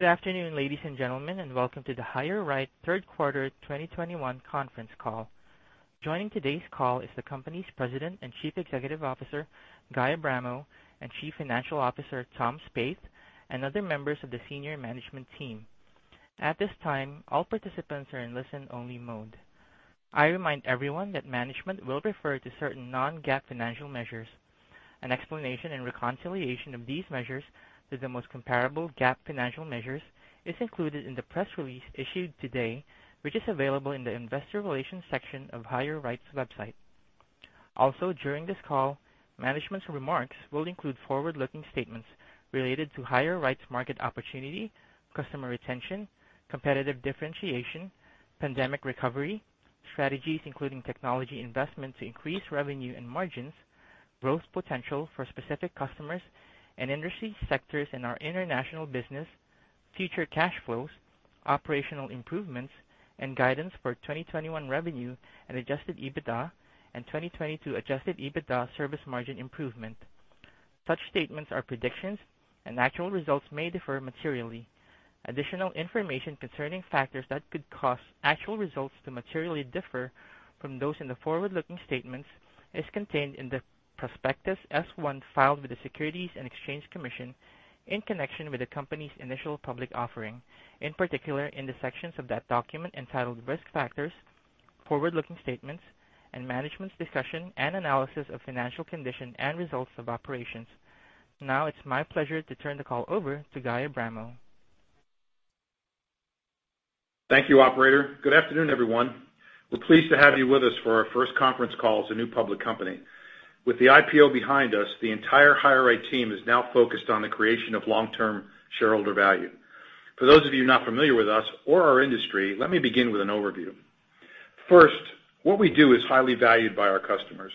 Good afternoon, ladies and gentlemen, and welcome to the HireRight third quarter 2021 conference call. Joining today's call is the company's President and Chief Executive Officer, Guy Abramo, and Chief Financial Officer, Tom Spaeth, and other members of the senior management team. At this time, all participants are in listen-only mode. I remind everyone that management will refer to certain non-GAAP financial measures. An explanation and reconciliation of these measures to the most comparable GAAP financial measures is included in the press release issued today, which is available in the Investor Relations section of HireRight's website. Also, during this call, management's remarks will include forward-looking statements related to HireRight's market opportunity, customer retention, competitive differentiation, pandemic recovery, strategies including technology investment to increase revenue and margins, growth potential for specific customers and industry sectors in our international business, future cash flows, operational improvements, and guidance for 2021 revenue and Adjusted EBITDA and 2022 Adjusted EBITDA service margin improvement. Such statements are predictions, and actual results may differ materially. Additional information concerning factors that could cause actual results to materially differ from those in the forward-looking statements is contained in the prospectus Form S-1 filed with the Securities and Exchange Commission in connection with the company's initial public offering, in particular in the sections of that document entitled Risk Factors, Forward-Looking Statements, and Management's Discussion and Analysis of Financial Condition and Results of Operations. Now it's my pleasure to turn the call over to Guy Abramo. Thank you, operator. Good afternoon, everyone. We're pleased to have you with us for our first conference call as a new public company. With the IPO behind us, the entire HireRight team is now focused on the creation of long-term shareholder value. For those of you not familiar with us or our industry, let me begin with an overview. First, what we do is highly valued by our customers.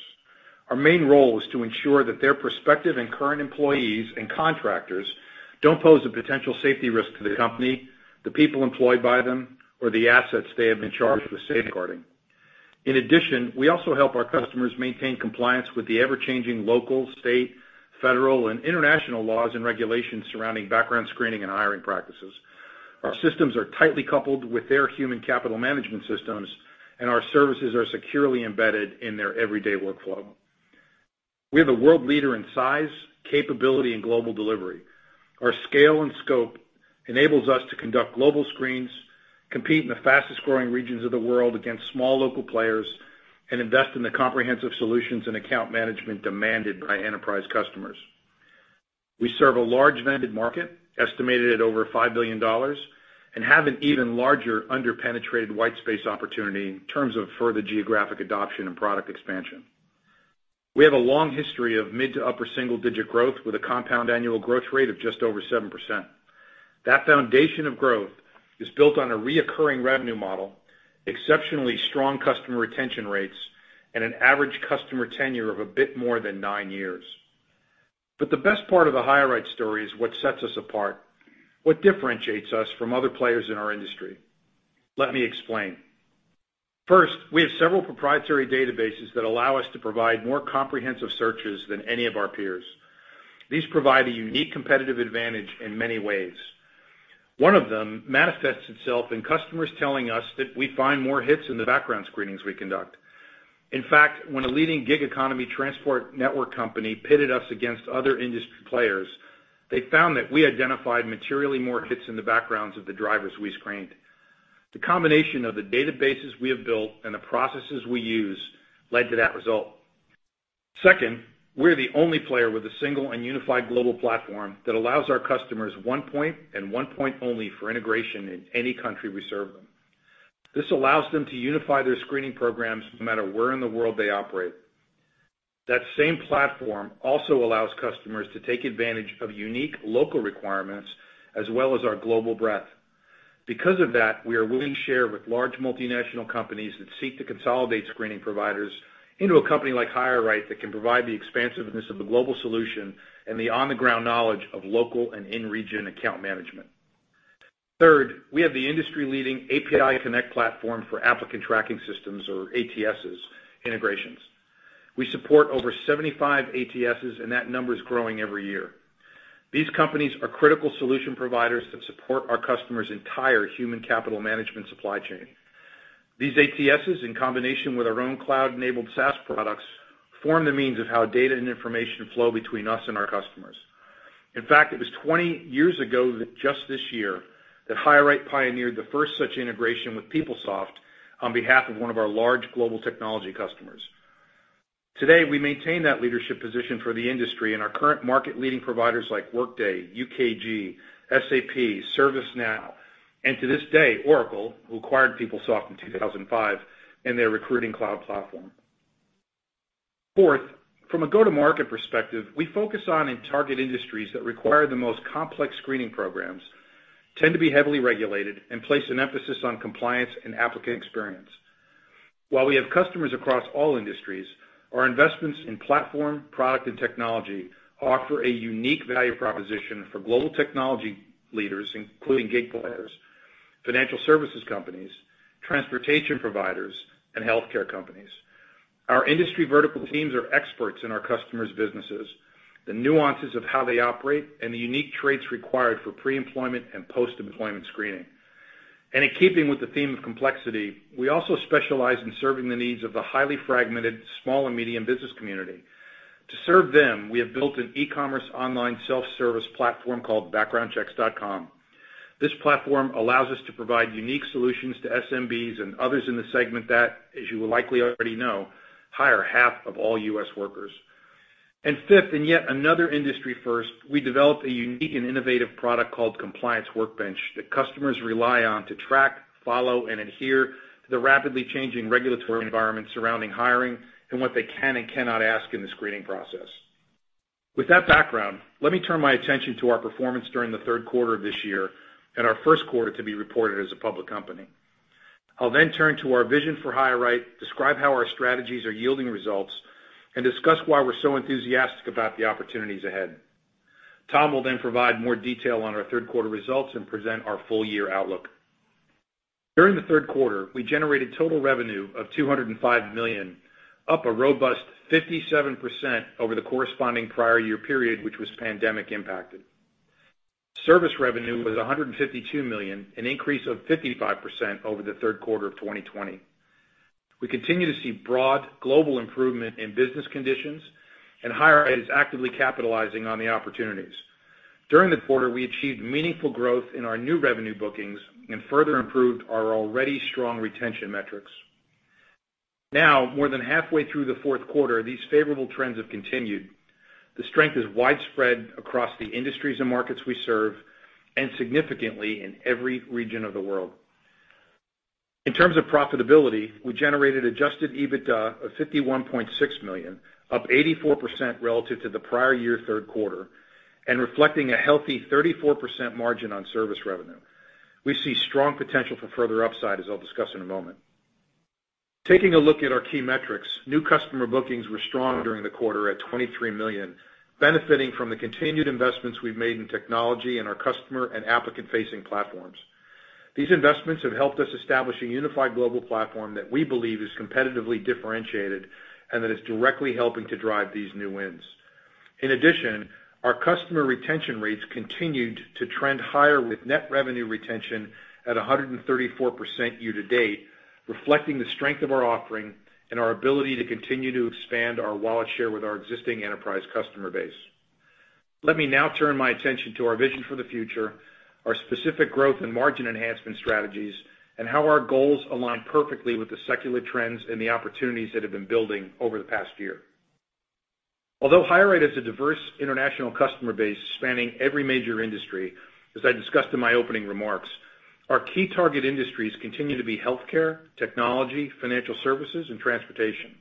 Our main role is to ensure that their prospective and current employees and contractors don't pose a potential safety risk to the company, the people employed by them, or the assets they have been charged with safeguarding. In addition, we also help our customers maintain compliance with the ever-changing local, state, federal, and international laws and regulations surrounding background screening and hiring practices. Our systems are tightly coupled with their human capital management systems, and our services are securely embedded in their everyday workflow. We are the world leader in size, capability, and global delivery. Our scale and scope enables us to conduct global screens, compete in the fastest-growing regions of the world against small local players, and invest in the comprehensive solutions and account management demanded by enterprise customers. We serve a large vetted market, estimated at over $5 billion, and have an even larger under-penetrated white space opportunity in terms of further geographic adoption and product expansion. We have a long history of mid to upper single-digit growth with a compound annual growth rate of just over 7%. That foundation of growth is built on a recurring revenue model, exceptionally strong customer retention rates, and an average customer tenure of a bit more than nine years. The best part of the HireRight story is what sets us apart, what differentiates us from other players in our industry. Let me explain. First, we have several proprietary databases that allow us to provide more comprehensive searches than any of our peers. These provide a unique competitive advantage in many ways. One of them manifests itself in customers telling us that we find more hits in the background screenings we conduct. In fact, when a leading gig economy transport network company pitted us against other industry players, they found that we identified materially more hits in the backgrounds of the drivers we screened. The combination of the databases we have built and the processes we use led to that result. Second, we're the only player with a single and unified global platform that allows our customers one point and one point only for integration in any country we serve them. This allows them to unify their screening programs no matter where in the world they operate. That same platform also allows customers to take advantage of unique local requirements as well as our global breadth. Because of that, we are willing to share with large multinational companies that seek to consolidate screening providers into a company like HireRight that can provide the expansiveness of the global solution and the on-the-ground knowledge of local and in-region account management. Third, we have the industry-leading API Connect platform for applicant tracking systems or ATSs integrations. We support over 75 ATSs, and that number is growing every year. These companies are critical solution providers that support our customers' entire human capital management supply chain. These ATSs, in combination with our own cloud-enabled SaaS products, form the means of how data and information flow between us and our customers. In fact, it was 20 years ago that HireRight pioneered the first such integration with PeopleSoft on behalf of one of our large global technology customers. Today, we maintain that leadership position for the industry and our current market-leading providers like Workday, UKG, SAP, ServiceNow, and to this day, Oracle, who acquired PeopleSoft in 2005, and their recruiting cloud platform. Fourth, from a go-to-market perspective, we focus on and target industries that require the most complex screening programs, tend to be heavily regulated, and place an emphasis on compliance and applicant experience. While we have customers across all industries, our investments in platform, product, and technology offer a unique value proposition for global technology leaders, including gig players, financial services companies, transportation providers, and healthcare companies. Our industry vertical teams are experts in our customers' businesses, the nuances of how they operate, and the unique traits required for pre-employment and post-employment screening. In keeping with the theme of complexity, we also specialize in serving the needs of the highly fragmented small and medium business community. To serve them, we have built an e-commerce online self-service platform called backgroundchecks.com. This platform allows us to provide unique solutions to SMBs and others in the segment that, as you will likely already know, hire half of all U.S. workers. Fifth, and yet another industry first, we developed a unique and innovative product called Compliance Workbench that customers rely on to track, follow, and adhere to the rapidly changing regulatory environment surrounding hiring and what they can and cannot ask in the screening process. With that background, let me turn my attention to our performance during the third quarter of this year and our first quarter to be reported as a public company. I'll turn to our vision for HireRight, describe how our strategies are yielding results, and discuss why we're so enthusiastic about the opportunities ahead. Tom will provide more detail on our third quarter results and present our full year outlook. During the third quarter, we generated total revenue of $205 million, up a robust 57% over the corresponding prior year period, which was pandemic impacted. Service revenue was $152 million, an increase of 55% over the third quarter of 2020. We continue to see broad global improvement in business conditions, and HireRight is actively capitalizing on the opportunities. During the quarter, we achieved meaningful growth in our new revenue bookings and further improved our already strong retention metrics. Now, more than halfway through the fourth quarter, these favorable trends have continued. The strength is widespread across the industries and markets we serve, and significantly in every region of the world. In terms of profitability, we generated Adjusted EBITDA of $51.6 million, up 84% relative to the prior year third quarter and reflecting a healthy 34% margin on service revenue. We see strong potential for further upside, as I'll discuss in a moment. Taking a look at our key metrics, new customer bookings were strong during the quarter at $23 million, benefiting from the continued investments we've made in technology and our customer and applicant-facing platforms. These investments have helped us establish a unified global platform that we believe is competitively differentiated and that is directly helping to drive these new wins. In addition, our customer retention rates continued to trend higher with net revenue retention at 134% year to date, reflecting the strength of our offering and our ability to continue to expand our wallet share with our existing enterprise customer base. Let me now turn my attention to our vision for the future, our specific growth and margin enhancement strategies, and how our goals align perfectly with the secular trends and the opportunities that have been building over the past year. Although HireRight is a diverse international customer base spanning every major industry, as I discussed in my opening remarks, our key target industries continue to be healthcare, technology, financial services, and transportation.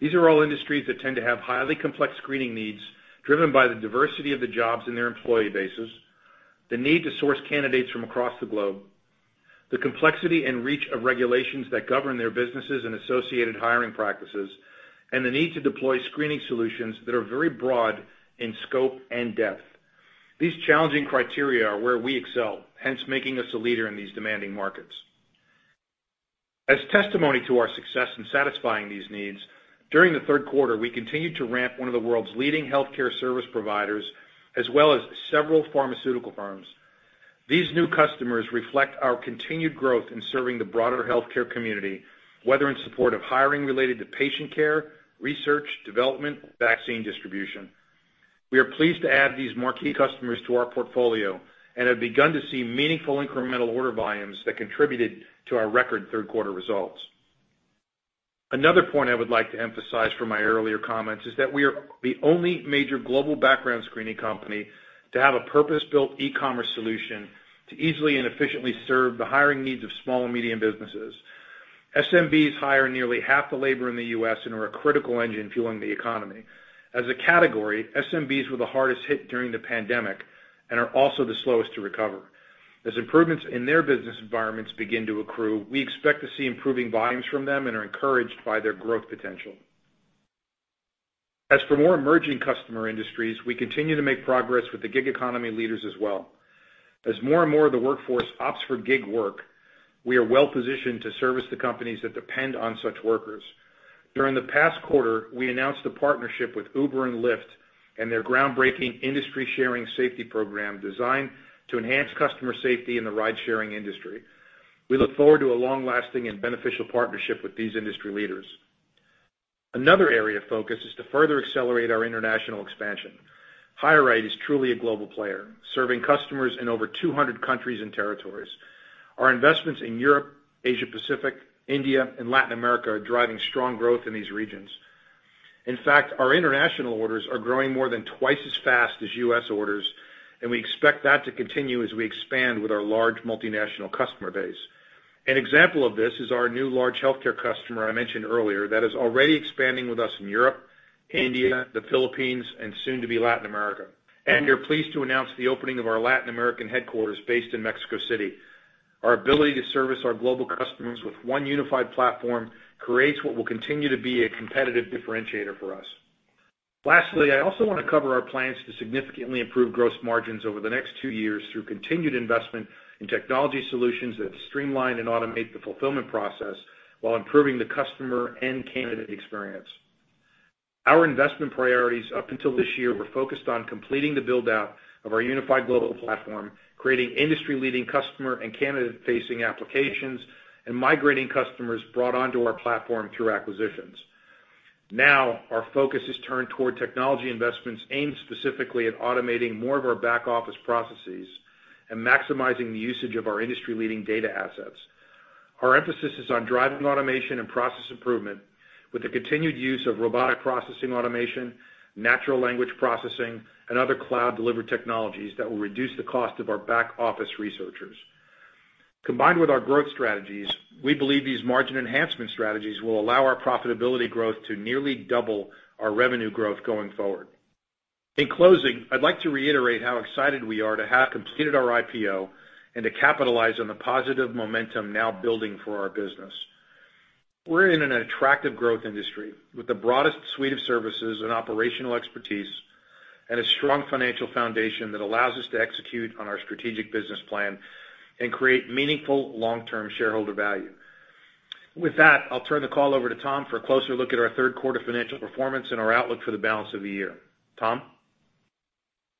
These are all industries that tend to have highly complex screening needs driven by the diversity of the jobs in their employee bases, the need to source candidates from across the globe, the complexity and reach of regulations that govern their businesses and associated hiring practices, and the need to deploy screening solutions that are very broad in scope and depth. These challenging criteria are where we excel, hence making us a leader in these demanding markets. As testimony to our success in satisfying these needs, during the third quarter, we continued to ramp one of the world's leading healthcare service providers as well as several pharmaceutical firms. These new customers reflect our continued growth in serving the broader healthcare community, whether in support of hiring related to patient care, research, development, vaccine distribution. We are pleased to add these more key customers to our portfolio and have begun to see meaningful incremental order volumes that contributed to our record third quarter results. Another point I would like to emphasize from my earlier comments is that we are the only major global background screening company to have a purpose-built e-commerce solution to easily and efficiently serve the hiring needs of small and medium businesses. SMBs hire nearly half the labor in the U.S. and are a critical engine fueling the economy. As a category, SMBs were the hardest hit during the pandemic and are also the slowest to recover. As improvements in their business environments begin to accrue, we expect to see improving volumes from them and are encouraged by their growth potential. As for more emerging customer industries, we continue to make progress with the gig economy leaders as well. As more and more of the workforce opts for gig work, we are well-positioned to service the companies that depend on such workers. During the past quarter, we announced a partnership with Uber and Lyft and their groundbreaking industry sharing safety program designed to enhance customer safety in the ride-sharing industry. We look forward to a long-lasting and beneficial partnership with these industry leaders. Another area of focus is to further accelerate our international expansion. HireRight is truly a global player, serving customers in over 200 countries and territories. Our investments in Europe, Asia Pacific, India, and Latin America are driving strong growth in these regions. In fact, our international orders are growing more than twice as fast as U.S. orders, and we expect that to continue as we expand with our large multinational customer base. An example of this is our new large healthcare customer I mentioned earlier that is already expanding with us in Europe, India, the Philippines, and soon to be Latin America. We're pleased to announce the opening of our Latin American headquarters based in Mexico City. Our ability to service our global customers with one unified platform creates what will continue to be a competitive differentiator for us. Lastly, I also wanna cover our plans to significantly improve gross margins over the next two years through continued investment in technology solutions that streamline and automate the fulfillment process while improving the customer and candidate experience. Our investment priorities up until this year were focused on completing the build-out of our unified global platform, creating industry-leading customer and candidate-facing applications, and migrating customers brought onto our platform through acquisitions. Now, our focus is turned toward technology investments aimed specifically at automating more of our back-office processes and maximizing the usage of our industry-leading data assets. Our emphasis is on driving automation and process improvement with the continued use of robotic process automation, natural language processing, and other cloud-delivered technologies that will reduce the cost of our back-office researchers. Combined with our growth strategies, we believe these margin enhancement strategies will allow our profitability growth to nearly double our revenue growth going forward. In closing, I'd like to reiterate how excited we are to have completed our IPO and to capitalize on the positive momentum now building for our business. We're in an attractive growth industry with the broadest suite of services and operational expertise and a strong financial foundation that allows us to execute on our strategic business plan and create meaningful long-term shareholder value. With that, I'll turn the call over to Tom for a closer look at our third quarter financial performance and our outlook for the balance of the year. Tom?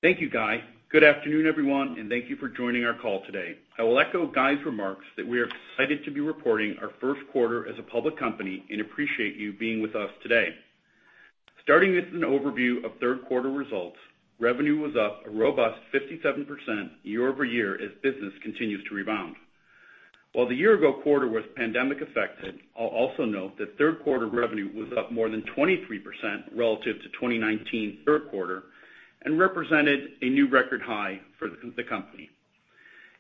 Thank you, Guy. Good afternoon, everyone, and thank you for joining our call today. I will echo Guy's remarks that we are excited to be reporting our first quarter as a public company and appreciate you being with us today. Starting with an overview of third quarter results, revenue was up a robust 57% year-over-year as business continues to rebound. While the year-ago quarter was pandemic affected, I'll also note that third quarter revenue was up more than 23% relative to 2019 third quarter and represented a new record high for the company.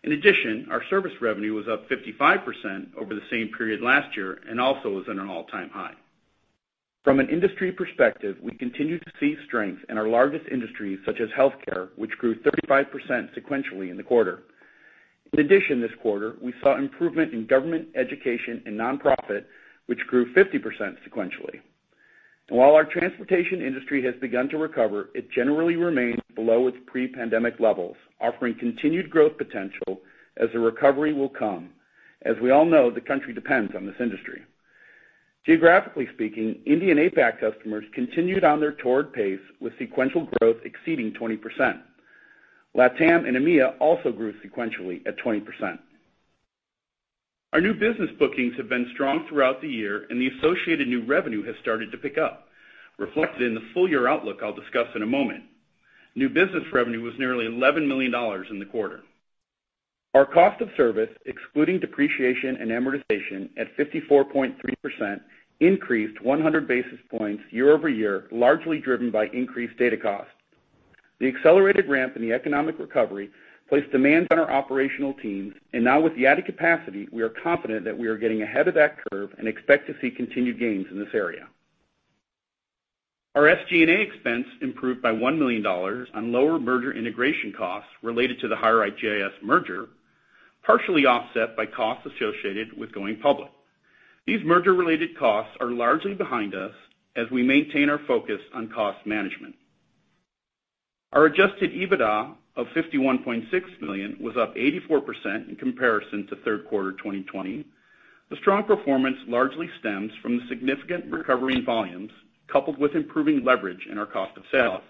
In addition, our service revenue was up 55% over the same period last year and also was at an all-time high. From an industry perspective, we continue to see strength in our largest industries, such as healthcare, which grew 35% sequentially in the quarter. In addition, this quarter, we saw improvement in government, education, and non-profit, which grew 50% sequentially. While our transportation industry has begun to recover, it generally remains below its pre-pandemic levels, offering continued growth potential as the recovery will come. As we all know, the country depends on this industry. Geographically speaking, India and APAC customers continued on their torrid pace with sequential growth exceeding 20%. LATAM and EMEA also grew sequentially at 20%. Our new business bookings have been strong throughout the year, and the associated new revenue has started to pick up, reflected in the full year outlook I'll discuss in a moment. New business revenue was nearly $11 million in the quarter. Our cost of service, excluding depreciation and amortization at 54.3%, increased 100 basis points year-over-year, largely driven by increased data costs. The accelerated ramp in the economic recovery placed demands on our operational teams, and now with the added capacity, we are confident that we are getting ahead of that curve and expect to see continued gains in this area. Our SG&A expense improved by $1 million on lower merger integration costs related to the HireRight GIS merger, partially offset by costs associated with going public. These merger-related costs are largely behind us as we maintain our focus on cost management. Our Adjusted EBITDA of $51.6 million was up 84% in comparison to third quarter 2020. The strong performance largely stems from the significant recovery in volumes, coupled with improving leverage in our cost of sales.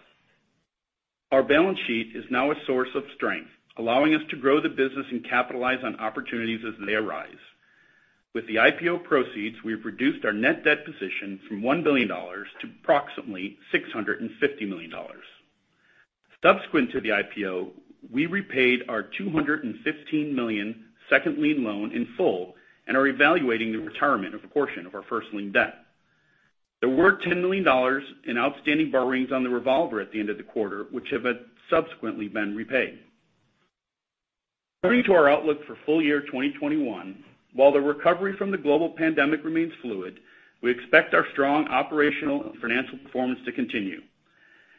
Our balance sheet is now a source of strength, allowing us to grow the business and capitalize on opportunities as they arise. With the IPO proceeds, we've reduced our net debt position from $1 billion to approximately $650 million. Subsequent to the IPO, we repaid our $215 million second lien loan in full and are evaluating the retirement of a portion of our first lien debt. There were $10 million in outstanding borrowings on the revolver at the end of the quarter, which have subsequently been repaid. Turning to our outlook for full year 2021, while the recovery from the global pandemic remains fluid, we expect our strong operational and financial performance to continue.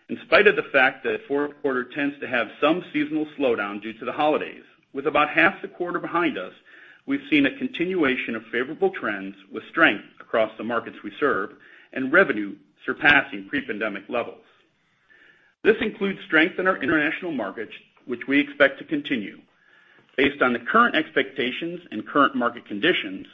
In spite of the fact that fourth quarter tends to have some seasonal slowdown due to the holidays, with about half the quarter behind us, we've seen a continuation of favorable trends with strength across the markets we serve and revenue surpassing pre-pandemic levels. This includes strength in our international markets, which we expect to continue. Based on the current expectations and current market conditions,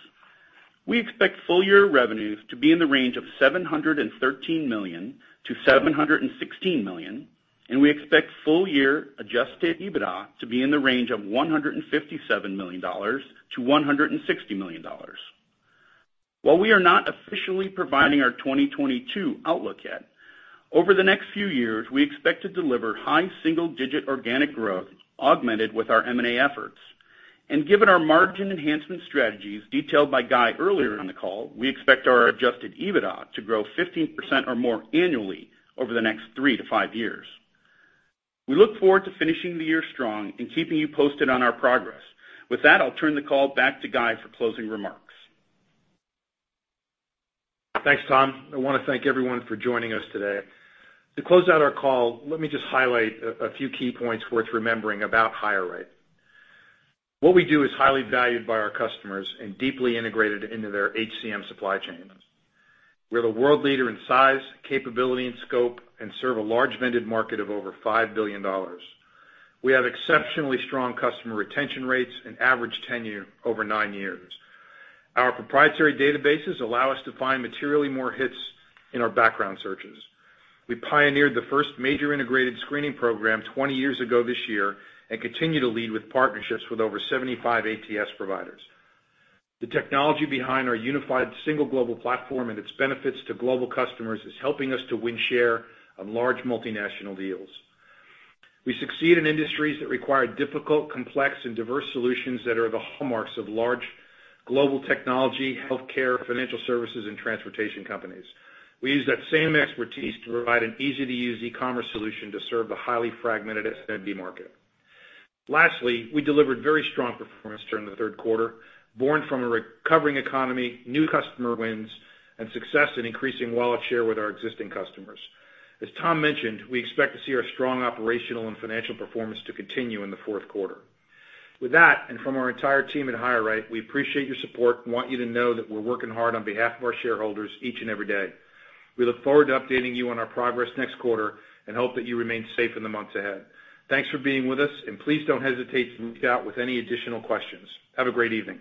we expect full year revenues to be in the range of $713 million-$716 million, and we expect full year Adjusted EBITDA to be in the range of $157 million-$160 million. While we are not officially providing our 2022 outlook yet, over the next few years, we expect to deliver high single-digit organic growth augmented with our M&A efforts. Given our margin enhancement strategies detailed by Guy earlier in the call, we expect our Adjusted EBITDA to grow 15% or more annually over the next 3 years-5 years. We look forward to finishing the year strong and keeping you posted on our progress. With that, I'll turn the call back to Guy for closing remarks. Thanks, Tom. I wanna thank everyone for joining us today. To close out our call, let me just highlight a few key points worth remembering about HireRight. What we do is highly valued by our customers and deeply integrated into their HCM supply chains. We're the world leader in size, capability, and scope, and serve a large vetted market of over $5 billion. We have exceptionally strong customer retention rates and average tenure over nine years. Our proprietary databases allow us to find materially more hits in our background searches. We pioneered the first major integrated screening program 20 years ago this year and continue to lead with partnerships with over 75 ATS providers. The technology behind our unified single global platform and its benefits to global customers is helping us to win share on large multinational deals. We succeed in industries that require difficult, complex, and diverse solutions that are the hallmarks of large global technology, healthcare, financial services, and transportation companies. We use that same expertise to provide an easy-to-use e-commerce solution to serve the highly fragmented SMB market. Lastly, we delivered very strong performance during the third quarter, born from a recovering economy, new customer wins, and success in increasing wallet share with our existing customers. As Tom mentioned, we expect to see our strong operational and financial performance to continue in the fourth quarter. With that, and from our entire team at HireRight, we appreciate your support and want you to know that we're working hard on behalf of our shareholders each and every day. We look forward to updating you on our progress next quarter and hope that you remain safe in the months ahead. Thanks for being with us, and please don't hesitate to reach out with any additional questions. Have a great evening.